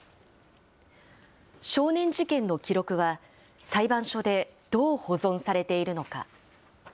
少年事件の記録は裁判所でどう保存されているのか。